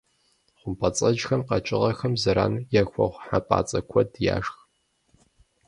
Хъумпӏэцӏэджхэм къэкӏыгъэхэм зэран яхуэхъу хьэпӏацӏэ куэд яшх.